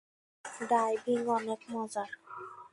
Diving অনেক মজার।